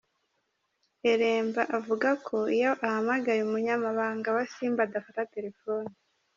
Elemba avuga ko iyo ahamagaye umunyamabanga wa Simba adafata telefone.